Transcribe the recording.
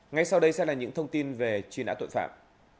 ngay sau đây sẽ là những thông tin về truy nã tội phạm